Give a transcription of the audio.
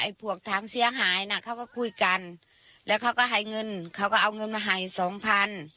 พวกถามเสียหายน่ะเขาก็คุยกันแล้วเขาก็ให้เงินเขาก็เอาเงินมาให้สองพัน